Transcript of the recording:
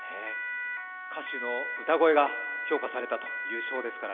歌手の歌声が評価されたということですから。